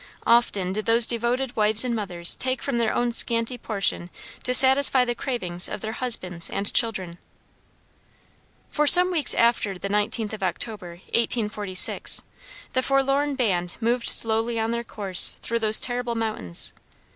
Often did those devoted wives and mothers take from their own scanty portion to satisfy the cravings of their husbands and children. For some weeks after the 19th of October, 1846, the forlorn band moved slowly on their course through those terrible mountains.